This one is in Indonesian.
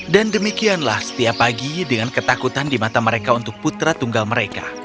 dan demikianlah setiap pagi dengan ketakutan di mata mereka untuk putra tunggal mereka